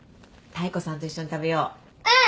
うん！